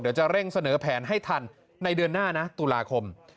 เดี๋ยวจะเร่งเสนอแผนให้ทันในเดือนหน้านะตุลาคม